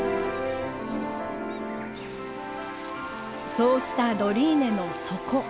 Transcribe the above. そうしたドリーネの底。